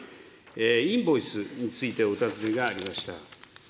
インボイスについてお尋ねがありました。